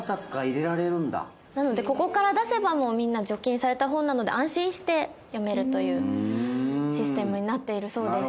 なのでここから出せばもうみんな除菌された本なので安心して読めるというシステムになっているそうです。